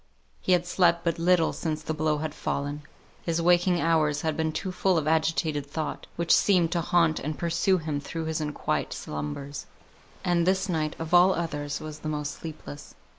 He had slept but little since the blow had fallen; his waking hours had been too full of agitated thought, which seemed to haunt and pursue him through his unquiet slumbers. And this night of all others was the most sleepless.